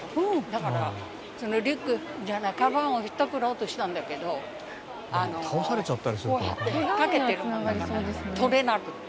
だからリュックカバンをひったくろうとしたんだけどあのこうやって引っかけてるもんだから取れなくて。